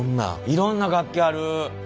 いろんな楽器ある。